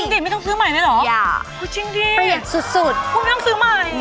จริงไม่ต้องซื้อใหม่เลยหรอพูดจริงดิไม่ต้องซื้อใหม่